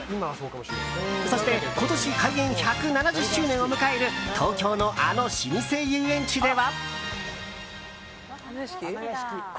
そして今年、開園１７０周年を迎える東京の、あの老舗遊園地では。